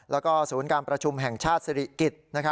แล้วก็สวนการประชุมแห่งชาติสริกิต